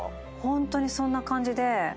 ホントにそんな感じで。